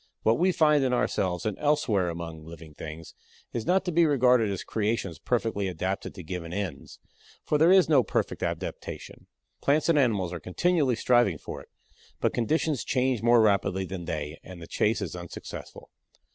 What we find in ourselves and elsewhere among living things is not to be regarded as creations perfectly adapted to given ends, for there is no perfect adaptation. Plants and animals are continually striving for it, but conditions change more rapidly than they and the chase is unsuccessful.